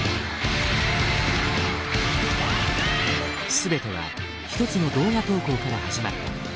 全ては一つの動画投稿から始まった。